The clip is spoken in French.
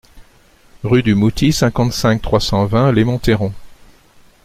Rue du Mouty, cinquante-cinq, trois cent vingt Les Monthairons